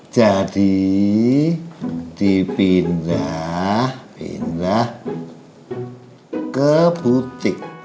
jadi dipindah pindah ke butik